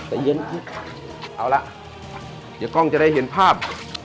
เอาละเดี๋ยวกล้องจะได้เห็นภาพ